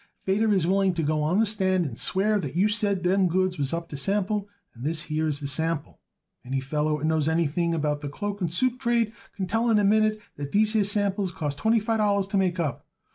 Feder is willing to go on the stand and swear that you said them goods was up to sample, and this here is the sample. Any feller what knows anything about the cloak and suit trade could tell in a minute that these here samples costed twenty five dollars to make up.